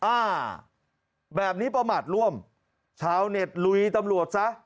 อ่าแบบนี้ประมาทร่วมชาวเน็ตลุยตำรวจซะ